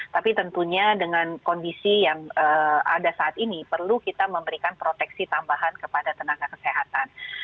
tapi tentunya dengan kondisi yang ada saat ini perlu kita memberikan proteksi tambahan kepada tenaga kesehatan